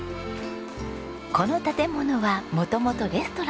この建物は元々レストランでした。